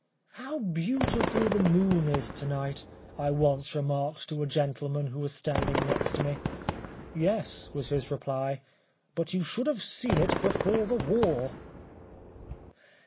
ŌĆ£How beautiful the moon is to night, ŌĆØ I once remarked to a gentleman who was standing next to me. ŌĆ£Yes, ŌĆØ was his reply, ŌĆ£but you should have seen it before the war.